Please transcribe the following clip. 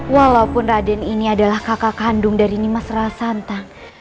walaupun raden ini adalah kakak kandung dari nimas rasanta